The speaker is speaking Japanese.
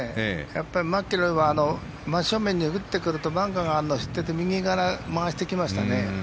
やっぱりマキロイは真正面に打ってくるとバンカーがあるのを知ってて右から回してきましたね。